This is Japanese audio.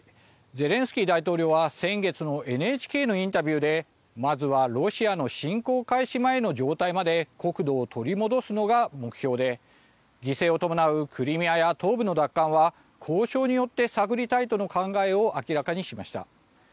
ゼレンスキー大統領は先月のＮＨＫのインタビューでまずはロシアの侵攻開始前の状態まで国土を取り戻すのが目標で犠牲を伴うクリミアや東部の奪還は交渉によって探りたいとの考えを明らかにしました。